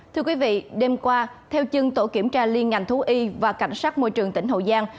thưa quý vị đêm qua theo chân tổ kiểm tra liên ngành thú y và cảnh sát môi trường tỉnh hậu giang